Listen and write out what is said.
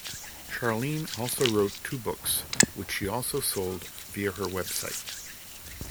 Charlene also wrote two books, which she also sold via her website.